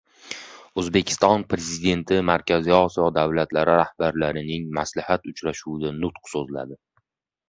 O‘zbekiston Prezidenti Markaziy Osiyo davlatlari rahbarlarining Maslahat uchrashuvida nutq so‘zladi